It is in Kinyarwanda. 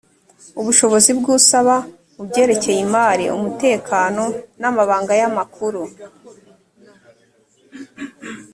ubushobozi bw usaba mu byerekeye imari umutekano n amabanga y amakuru